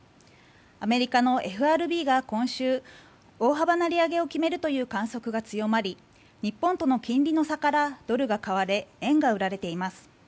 アメリカのＦＲＢが今週大幅な利上げを決めるという観測が強まり日本との金利の差からドルが買われ円が売られています。